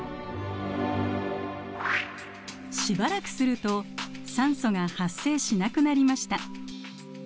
しばらくすると酸素が発生しなくなりました。